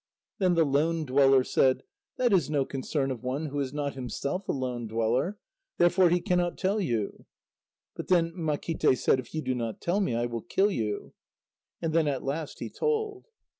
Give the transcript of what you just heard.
Then the lone dweller said: "That is no concern of one who is not himself a lone dweller. Therefore he cannot tell you." But then Makíte said: "If you do not tell me, I will kill you." And then at last he told.